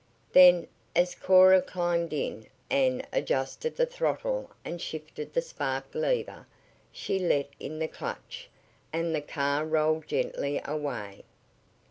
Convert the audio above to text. Then, as Cora climbed in and adjusted the throttle and shifted the spark lever, she let in the clutch, and the car rolled gently away.